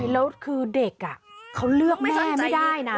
แล้วคือเด็กเขาเลือกแม่ไม่ได้นะ